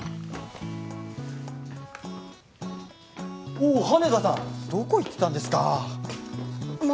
おお羽田さんどこ行ってたんですかま